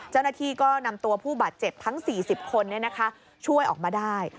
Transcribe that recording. เจ้าหน้าที่ก็นำตัวผู้บาดเจ็บทั้ง๔๐คนช่วยออกมาได้